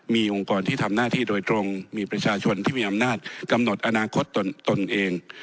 มีองค์กรที่ทำหน้าที่โดยตรงมีประชาชนที่มีอำนาจกำหนดอนาคตตนเอง